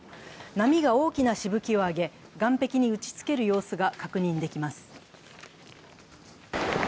波が大きなしぶきを上げ、岸壁に打ちつける様子が確認できます。